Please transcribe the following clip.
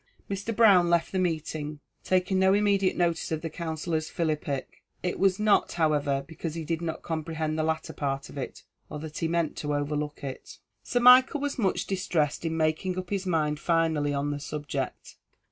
Mr. Brown left the meeting, taking no immediate notice of the Counsellor's philippic. It was not, however, because he did not comprehend the latter part of it, or that he meant to overlook it. Sir Michael was much distressed in making up his mind finally on the subject.